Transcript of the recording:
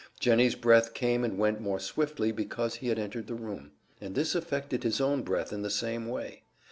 Jennie's breath came and went more swiftly because he had entered the room; and this affected his own breath in the same way.